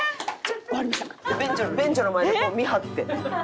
便所の前でこう見張って。